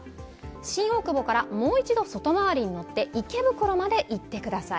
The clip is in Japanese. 新大久保からもう一度外回りに乗って池袋まで行ってください。